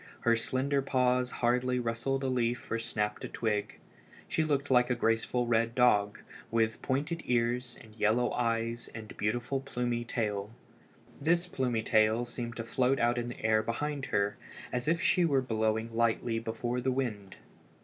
Her slender paws hardly rustled a leaf or snapped a twig. She looked like a graceful red dog, with pointed ears and yellow eyes and beautiful plumy tail. This plumy tail seemed to float out in the air behind her, as if she were blowing lightly before the wind.